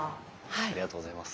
ありがとうございます。